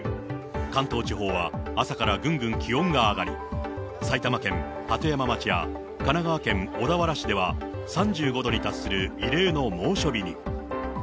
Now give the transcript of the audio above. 関東地方は朝からぐんぐん気温が上がり、埼玉県鳩山町や神奈川県小田原市では、３５度に達する異例の猛暑日に。